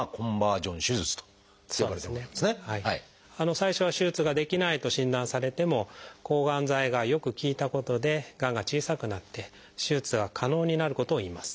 最初は手術ができないと診断されても抗がん剤がよく効いたことでがんが小さくなって手術が可能になることをいいます。